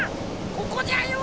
・ここじゃよ。